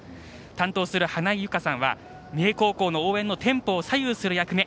担当する、はないゆかさんは三重高校の応援のテンポを左右する役目。